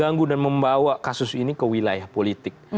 mengganggu dan membawa kasus ini ke wilayah politik